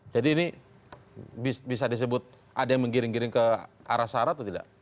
jadi ini bisa disebut ada yang menggiring giring ke arah sarah atau tidak